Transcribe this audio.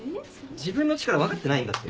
自分の力分かってないんだって。